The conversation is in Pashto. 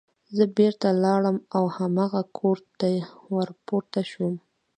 زه بېرته لاړم او هماغه کور ته ور پورته شوم